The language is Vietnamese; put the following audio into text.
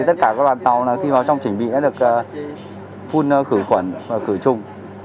tất cả các loại tàu khi vào trong trình bị đã được phun khử khuẩn và khử chung